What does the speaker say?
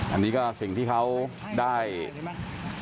อันนี้ก็สิ่งที่เขาได้ใช่ไหม